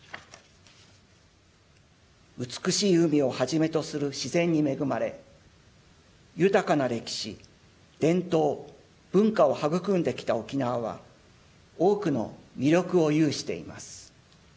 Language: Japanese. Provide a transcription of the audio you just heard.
美しい海をはじめとする自然に恵まれ、豊かな歴史伝統、文化を育んできた沖縄は多くの魅力を有しています。